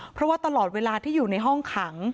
เพราะว่าตลอดเวลาที่อยู่ในห้องขัง